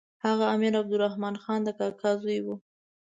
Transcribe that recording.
هغه د امیر عبدالرحمن خان د کاکا زوی وو.